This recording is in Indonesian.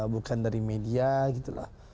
bukan dari media gitu loh